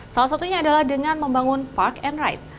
salah satunya adalah dengan membangun park and ride